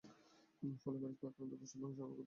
ফলে ভাইরাস বা আক্রান্ত কোষের ধ্বংস ঘটে।